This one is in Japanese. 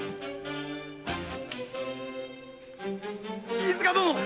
飯塚殿！